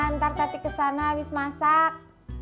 ntar tati kesana abis masak